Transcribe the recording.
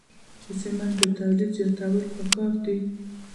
د سمنټو تولید زیاتول پکار دي